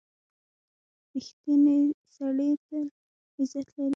• رښتینی سړی تل عزت لري.